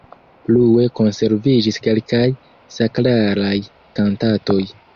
Plue konserviĝis kelkaj sakralaj kantatoj.